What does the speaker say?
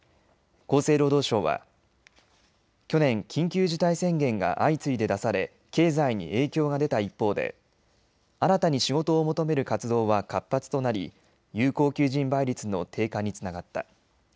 厚生労働省は去年、緊急事態宣言が相次いで出され経済に影響が出た一方で新たに仕事を求める活動は活発となり有効求人倍率の低下につながった。